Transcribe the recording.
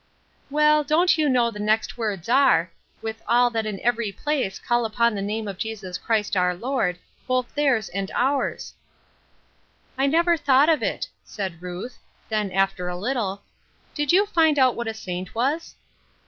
" Well, don't you know the next words are, * With all that in every place call upon the name of Jesus Christ our Lord, both theirs and ours.' "" I never thought of it," said Ruth. Then, after a little, " Did you find out what a saint was?"